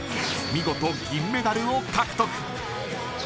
見事、銀メダルを獲得。